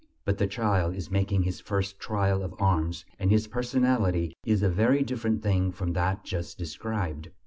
But the child is making his first trial of arms, and his personality is a very different thing from that just described.